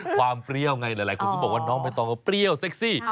เปรี้ยวไงหลายคนก็บอกว่าน้องใบตองก็เปรี้ยวเซ็กซี่